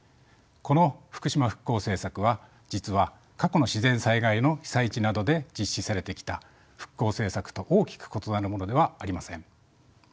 この福島復興政策は実は過去の自然災害の被災地などで実施されてきた復興政策と大きく異なるものではありません。